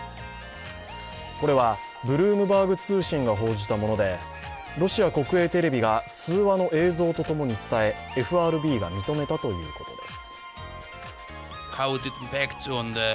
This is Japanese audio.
これはブルームバーグ通信が報じたものでロシア国営テレビが通話の映像とともに伝えＦＲＢが認めたということです。